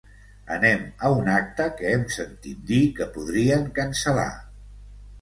Anem a un acte que hem sentit dir que podrien cancel·lar.